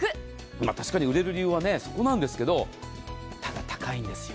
確かに売れる理由はそこなんですがただ高いんですよ。